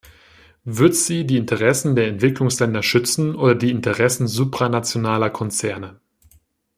Wird sie die Interessen der Entwicklungsländer schützen oder die Interessen supranationaler Konzerne?